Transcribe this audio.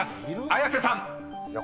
綾瀬さん］